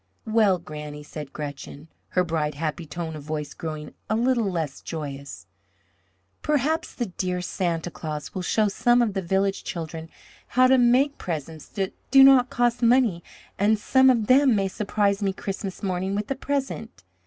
"Well, Granny," said Gretchen, her bright, happy tone of voice growing a little less joyous, "perhaps the dear Santa Claus will show some of the village children how to make presents that do not cost money, and some of them may surprise me Christmas morning with a present.